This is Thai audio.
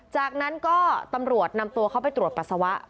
จากนั้นก็ตำรวจนำตัวเขาไปตรวจปัสสาวะ